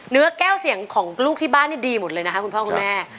เนื้อแก้วเสียงของลูกที่บ้านนี่ดีหมดเลยนะคะคุณพ่อคุณแม่